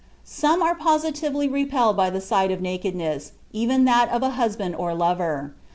Some are positively repelled by the sight of nakedness, even that of a husband or lover.